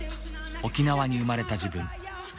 沖縄に生まれた自分。